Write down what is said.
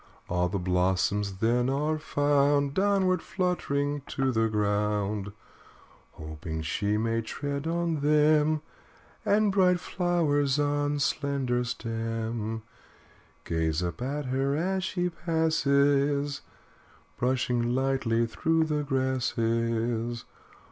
All the blossoms then are found Downward fluttering to the ground, Hoping she may tread on them. And bright flowers on slender stem Gaze up at her as she passes Brushing lightly through the grasses.